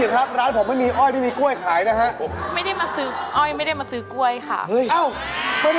ไอ้คลบอีกได้ไหมร้ายเต้น